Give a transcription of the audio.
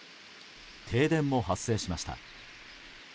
停電も発生しました。